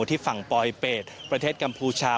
ที่ฝั่งปลอยเป็ดประเทศกัมพูชา